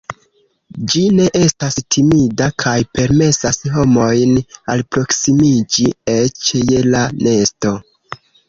Ĝi ne estas timida kaj permesas homojn alproksimiĝi eĉ je la nesto.